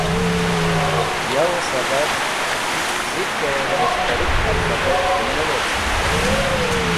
Yawe sabab k̃hikzike Mushtarik ‘Alphbet’ ne wocen tu.